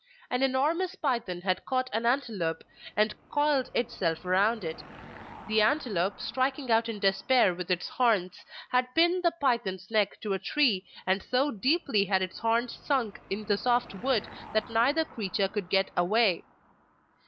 An enormous python had caught an antelope and coiled itself around it; the antelope, striking out in despair with its horns, had pinned the python's neck to a tree, and so deeply had its horns sunk in the soft wood that neither creature could get away.